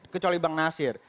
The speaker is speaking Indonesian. kecuali bang nasir